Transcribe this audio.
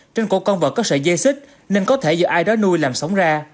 trên cổ con vật có sợi dây xích nên có thể do ai đó nuôi làm sống ra